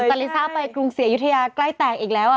แต่ลิซ่าไปกรุงศรีอยุธยาใกล้แตกอีกแล้ว